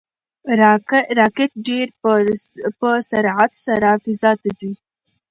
راکټ ډېر په سرعت سره فضا ته ځي.